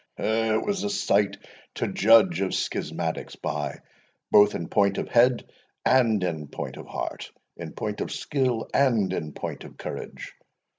it was a sight to judge of schismatics by; both in point of head, and in point of heart, in point of skill, and in point of courage.